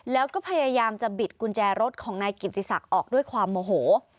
แล้วก็พยายามจะบิดกุญแจรถของนายกิติศักดิ์ออกด้วยความโมโห